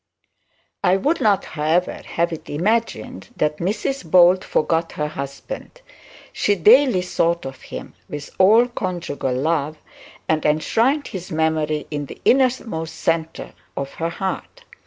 I would not, however, have it imagined that Mrs Bold forgot her husband. She really thought of him with all conjugal love, and enshrined his memory in the innermost centre of her heart.